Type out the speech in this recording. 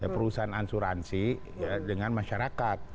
perusahaan ansuransi dengan masyarakat